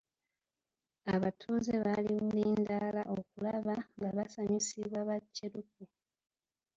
Abatuuze bali bulindaala okulaba nga basanyusibwa ba kyeruppe.